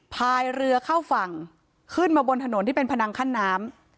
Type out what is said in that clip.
พายเรือเข้าฝั่งขึ้นมาบนถนนที่เป็นพนังขั้นน้ำ